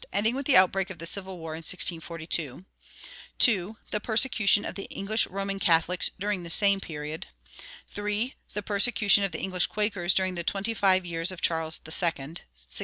ending with the outbreak of the civil war in 1642; (2) the persecution of the English Roman Catholics during the same period; (3) the persecution of the English Quakers during the twenty five years of Charles II.